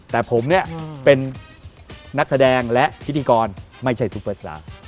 แต่ผมเนี่ยเป็นนักแสดงและพิธีกรไม่ใช่ซูเปอร์สตาร์